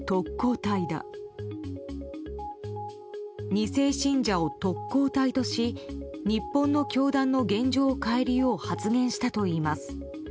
２世信者を特攻隊とし日本の教団の現状を変えるよう発言したといいます。